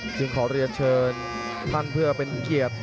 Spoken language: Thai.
ขอเรียนเชิญท่านเพื่อเป็นเกียรติ